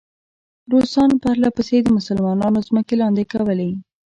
روسان پرله پسې د مسلمانانو ځمکې لاندې کولې.